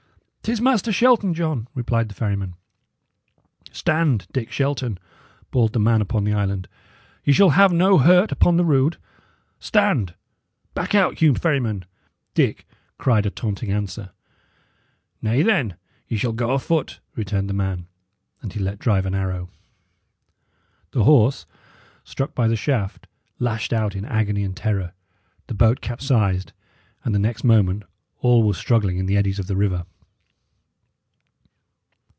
"'Tis Master Shelton, John," replied the ferryman. "Stand, Dick Shelton!" bawled the man upon the island. "Ye shall have no hurt, upon the rood! Stand! Back out, Hugh Ferryman." Dick cried a taunting answer. "Nay, then, ye shall go afoot," returned the man; and he let drive an arrow. The horse, struck by the shaft, lashed out in agony and terror; the boat capsized, and the next moment all were struggling in the eddies of the river.